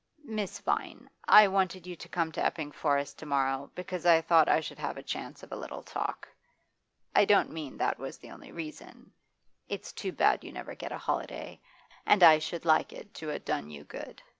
'Miss Vine, I wanted you to come to Epping Forest to morrow because I thought I should have a chance of a little talk. I don't mean that was the only reason; it's too bad you never get a holiday, and I should like it to a' done you good.